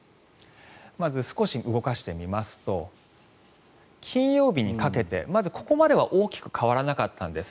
まず少し動かしてみますと金曜日にかけてまずここまでは大きく変わらなかったんです。